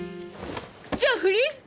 じゃあ不倫？